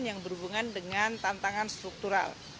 yang berhubungan dengan tantangan struktural